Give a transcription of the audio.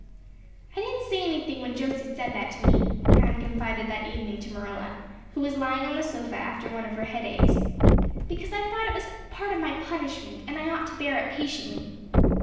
"I didn't say anything when Josie said that to me," Anne confided that evening to Marilla, who was lying on the sofa after one of her headaches, "because I thought it was part of my punishment and I ought to bear it patiently.